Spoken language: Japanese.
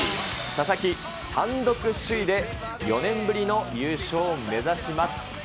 ささき、単独首位で４年ぶりの優勝を目指します。